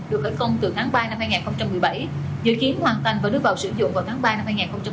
được khởi công từ tháng ba năm hai nghìn một mươi bảy dự kiến hoàn thành và đưa vào sử dụng vào tháng ba năm hai nghìn hai mươi